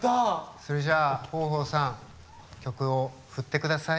それじゃあ豊豊さん曲を振ってください。